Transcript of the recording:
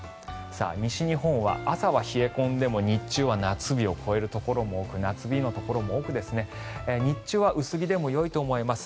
西日本は朝は冷え込んでも日中は夏日のところも多く日中は薄着でもよいと思います。